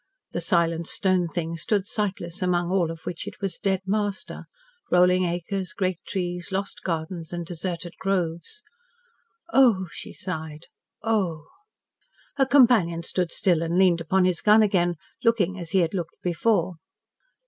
The silent stone thing stood sightless among all of which it was dead master rolling acres, great trees, lost gardens and deserted groves. "Oh!" she sighed, "Oh!" Her companion stood still and leaned upon his gun again, looking as he had looked before.